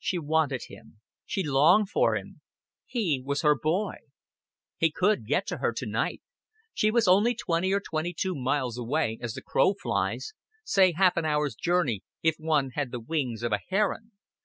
She wanted him; she longed for him; he was her boy. He could get to her to night. She was only twenty or twenty two miles away, as the crow flies say half an hour's journey if one had the wings of a heron.